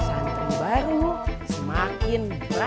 santri baru semakin berat